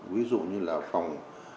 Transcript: ví dụ như là phòng